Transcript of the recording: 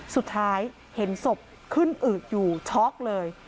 สุดท้ายเห็นศพขึ้นอืดอยู่ช็อกเลย